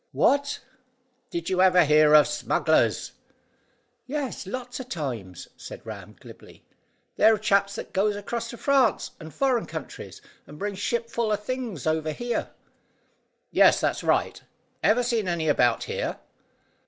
"What?" "Did you ever hear of smugglers?" "Yes, lots o' times," said Ram glibly. "They're chaps that goes across to France and foreign countries, and brings shipfuls o' things over here." "Yes, that's right. Ever seen any about here?"